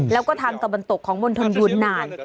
แล้วก็ทำกระบันตกของมณฑลหยุดนาน